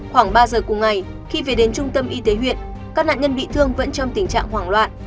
khoảng ba giờ cùng ngày khi về đến trung tâm y tế huyện các nạn nhân bị thương vẫn trong tình trạng hoảng loạn